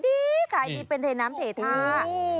แต่ไปทำให้ดีค่ะเป็นเทคน้ำเททา